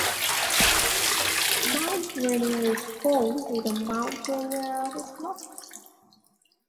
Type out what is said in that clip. Mount Rainier is home to the Mount Rainier Artists' Lofts.